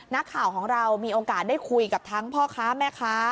นักข่าวของเรามีโอกาสได้คุยกับทั้งพ่อค้าแม่ค้า